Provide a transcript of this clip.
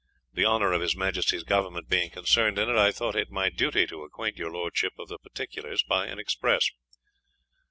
The honour of his Majesty's Government being concerned in it, I thought it my duty to acquaint your lordship of the particulars by an express.